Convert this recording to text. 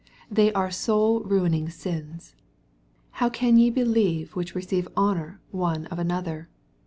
They are soul ruining sins. "How can ye believe which receive honor one of another."